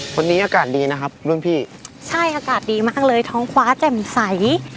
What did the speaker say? คนนี้อากาศดีนะครับรุ่นพี่ใช่อากาศดีมากเลยท้องฟ้าแจ่มใส